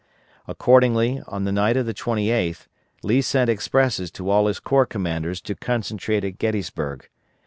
Accordingly on the night of the 28th, Lee sent expresses to all his corps commanders to concentrate at Gettysburg.